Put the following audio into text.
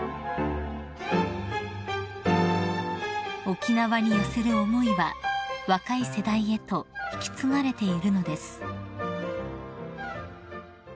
［沖縄に寄せる思いは若い世代へと引き継がれているのです］